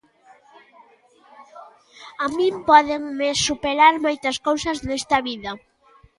A min pódenme superar moitas cousas nesta vida.